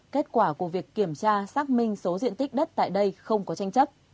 kết quả của việc kiểm tra xác minh số diện tích đất tại đây không có tranh chấp